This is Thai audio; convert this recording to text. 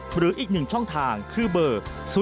หรืออีกหนึ่งช่องทางคือเบอร์๐๒๐๙๖๕๐๐๐